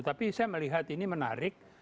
tapi saya melihat ini menarik